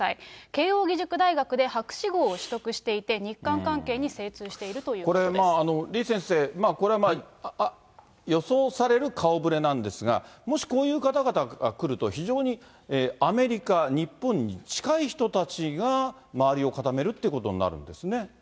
慶應義塾大学で博士号を取得していて、日韓関係に精通しているとこれまあ、李先生、これはまあ、予想される顔ぶれなんですが、もしこういう方々がくると、非常にアメリカ、日本に近い人たちが周りを固めるっていうことになるんですね。